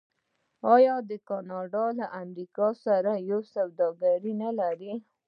آیا کاناډا له امریکا سره ډیره سوداګري نلري؟